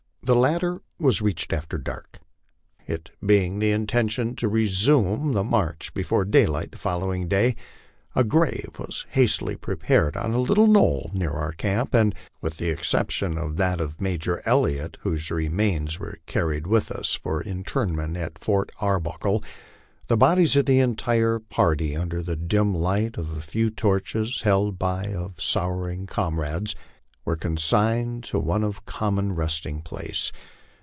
The latter was reached after dark. It being the intention to resume the march before daylight the following day, a grave was hastily prepared on a little knoll near our camp, and, with the exception of that of Major Elliott, whose remains were carried with us for in terment at Fort Arbuckle, the bodies of the entire party, under the dim light of a few torches held by of sorrowing comrades, were consigned to one common resting place.